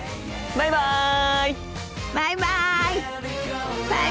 バイバイ。